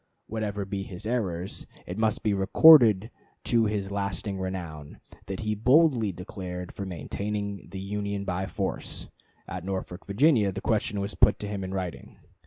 Whatever be his errors, it must be recorded to his lasting renown that he boldly declared for maintaining the Union by force. At Norfolk, Virginia, the question was put to him in writing.